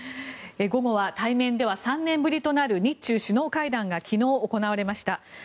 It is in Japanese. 午後は対面では３年ぶりとなる日中首脳会談が昨日、行われました。